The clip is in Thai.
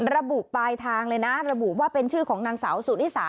ระบุปลายทางเลยนะระบุว่าเป็นชื่อของนางสาวสุนิสา